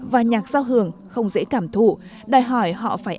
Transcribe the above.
và nhạc giao hưởng không dễ cảm thụ đòi hỏi họ phải